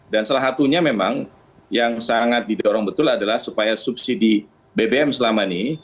dan salah satunya memang yang sangat didorong betul adalah supaya subsidi bbm selama ini